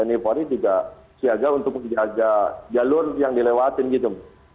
ini juga siaga untuk menjaga jalur yang dilewatin gitu